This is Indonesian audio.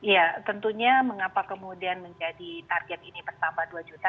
ya tentunya mengapa kemudian menjadi target ini bertambah dua juta